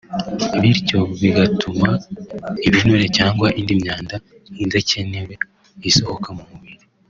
bityo bigatuma ibinure cyangwa indi myanda idakenewe isohoka mu mubiri